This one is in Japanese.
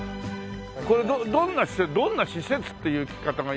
これどんなどんな施設っていう聞き方がいいのか。